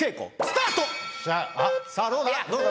さぁどうだ？